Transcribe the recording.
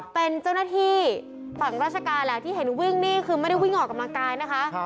เป็นเจ้าหน้าที่ฝั่งราชการแหละที่เห็นวิ่งนี่คือไม่ได้วิ่งออกกำลังกายนะคะ